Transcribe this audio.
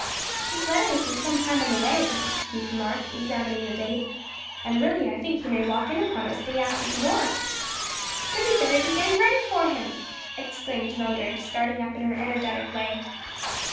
"This letter has been some time on the way," Mrs. Keith remarked, examining the date, "and really I think he may walk in upon us day after to morrow." "Then we'd better be getting ready for him!" exclaimed Mildred, starting up in her energetic way.